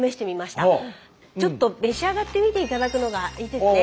ちょっと召し上がってみて頂くのがいいですね。